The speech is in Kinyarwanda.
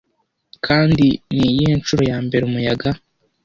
Kandi niyihe ncuro ya mbere Umuyaga